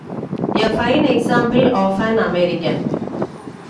A fine example of an American.